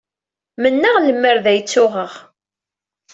Mennaɣ lemmer d ay tt-uɣeɣ.